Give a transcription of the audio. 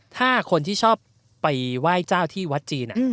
ถ้าคนที่ชอบไปไหว้เจ้าที่วัดจีน